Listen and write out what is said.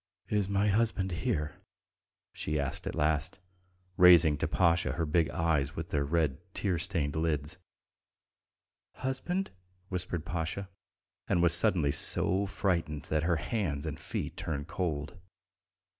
"Is my husband here?" she asked at last, raising to Pasha her big eyes with their red tear stained lids. "Husband?" whispered Pasha, and was suddenly so frightened that her hands and feet turned cold.